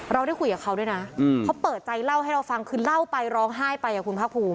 เราได้คุยกับเขาด้วยนะเขาเปิดใจเล่าให้เราฟังคือเล่าไปร้องไห้ไปคุณภาคภูมิ